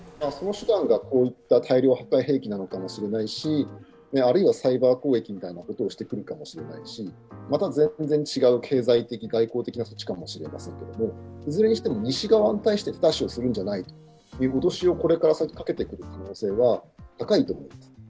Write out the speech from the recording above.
その手段がこういった大量破壊兵器なのかもしれないしあるいはサイバー攻撃みたいなことをしてくるかもしれないし、また全然違う、経済的・外交的な方法かもしれませんがいずれにしても西側に対して手出しをするんじゃないという脅しをこれから先、かけてくる可能性は高いと思います。